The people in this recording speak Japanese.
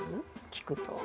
聞くと。